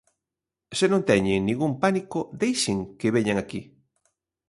Se non teñen ningún pánico, deixen que veñan aquí.